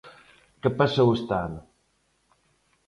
¿Que pasou este ano?